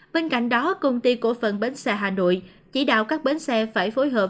bên cạnh đó công ty cổ phần bến xe hà nội chỉ đạo các bến xe phải phối hợp